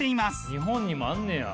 日本にもあんねや。